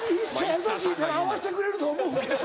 優しいから合わせてくれると思うけど。